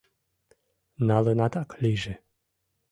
— Налынатак лийже!